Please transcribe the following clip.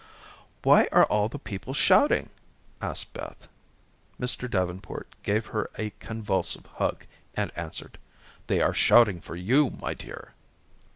"Why are all the people shouting?" asked Beth. Mr. Davenport gave her a convulsive hug and answered: "They are shouting for you, my dear."